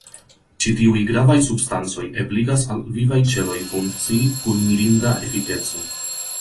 Ĉi tiuj gravaj substancoj ebligas al vivaj ĉeloj funkcii kun mirinda efikeco.